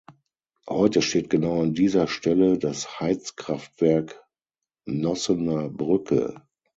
Heute steht genau an dieser Stelle das Heizkraftwerk Nossener Brücke.